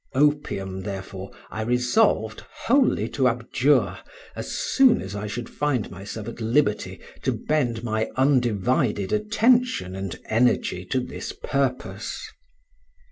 Opium therefore I resolved wholly to abjure as soon as I should find myself at liberty to bend my undivided attention and energy to this purpose.